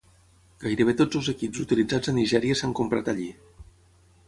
Gairebé tots els equips utilitzats a Nigèria s'han comprat allí.